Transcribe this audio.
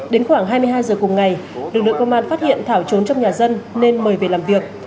đến khoảng hai mươi hai giờ cùng ngày lực lượng công an phát hiện thảo trốn trong nhà dân nên mời về làm việc